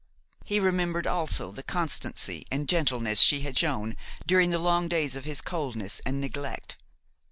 He remembered also the constancy and gentleness she had shown during the long days of his coldness and neglect.